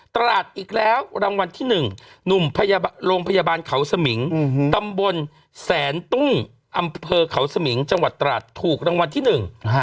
ตราดอีกแล้วรางวัลที่หนึ่งหนุ่มโรงพยาบาลเขาสมิงตำบลแสนตุ้งอำเภอเขาสมิงจังหวัดตราดถูกรางวัลที่หนึ่ง